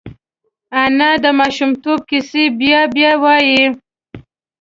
انا د ماشومتوب کیسې بیا بیا وايي